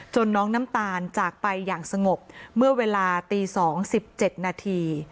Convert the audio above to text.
น้องน้ำตาลจากไปอย่างสงบเมื่อเวลาตี๒๑๗นาที